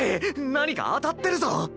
何か当たってるぞ！